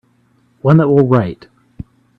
One that will write.